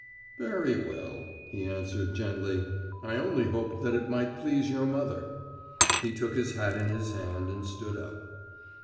"Very well," he answered gently, "I only hoped that it might please your mother." He took his hat in his hand and stood up.